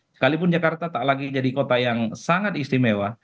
sekalipun jakarta tak lagi jadi kota yang sangat istimewa